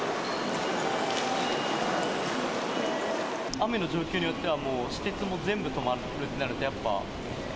雨の状況によっては、もう私鉄も全部止まるってなると、やっぱ？